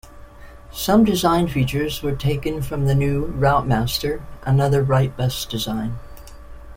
Some design features were taken from the New Routemaster, another Wrightbus design.